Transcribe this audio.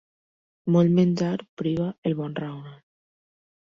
Molt menjar priva el bon raonar.